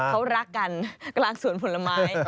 เขารักกันกลางสวนผลไม้